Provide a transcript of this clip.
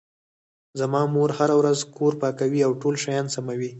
زما مور هره ورځ کور پاکوي او ټول شیان سموي